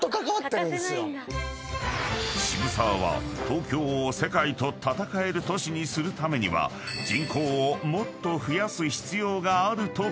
［渋沢は東京を世界と闘える都市にするためには人口をもっと増やす必要があると考えていた］